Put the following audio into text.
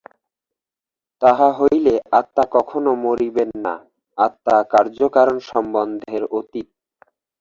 তাহা হইলে আত্মা কখনও মরিবেন না, আত্মা কার্যকারণ-সম্বন্ধের অতীত।